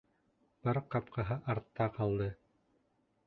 Парк ҡапҡаһы артта ҡалды.